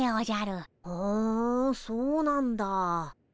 ふんそうなんだ。